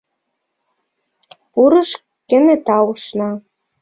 Пурыш кенета ушна.